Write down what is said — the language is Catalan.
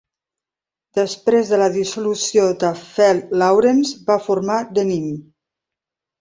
Després de la dissolució de Felt, Lawrence va formar Denim.